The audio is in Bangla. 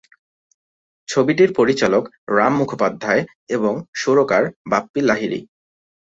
ছবিটির পরিচালক রাম মুখোপাধ্যায় এবং সুরকার বাপ্পী লাহিড়ী।